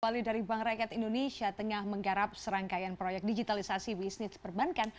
wali dari bank rakyat indonesia tengah menggarap serangkaian proyek digitalisasi bisnis perbankan